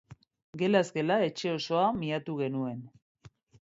Gelaz gela etxe osoa miatu genuen.